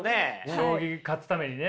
将棋勝つためにね。